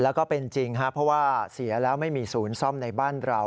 แล้วก็เป็นจริงครับเพราะว่าเสียแล้วไม่มีศูนย์ซ่อมในบ้านเรา